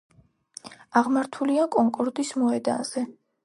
აღმართულია კონკორდის მოედანზე.